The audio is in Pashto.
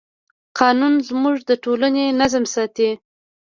قانون زموږ د ټولنې نظم ساتي.